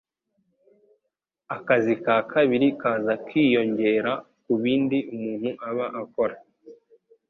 akazi ka kabiri kaza kiyongera ku bindi umuntu aba akora.